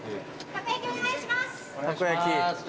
たこ焼きお願いします。